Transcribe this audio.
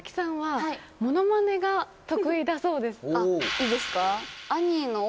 いいですか。